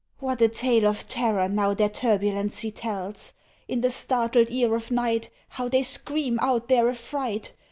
What a tale of terror, now, their turbulency tells! In the startled ear of night How they scream out their affright!